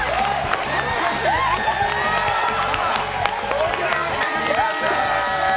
奥菜恵さんです！